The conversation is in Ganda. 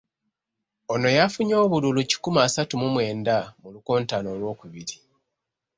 Ono yafunye obululu kikumi asatu mu mwenda mu lukontana olwokubiri.